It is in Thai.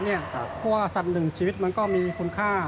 เพราะว่าสัตว์หนึ่งชีวิตมันก็มีคุณค่า